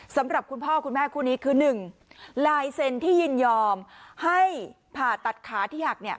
สำหรับคุณพ่อคุณแม่คู่นี้คือ๑ลายเซ็นที่ยินยอมให้ผ่าตัดขาที่หักเนี่ย